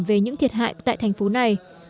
về những thiệt hại tại thành phố này